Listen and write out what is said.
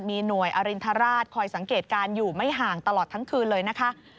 มีหน่วยอรินทราชคอยสังเกตการณ์อยู่ไม่ห่างตลอดทั้งคืนเลยนะคะ